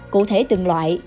cụ thể từng loại